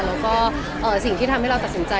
แล้วก็สิ่งที่ทำให้เราตัดสินใจ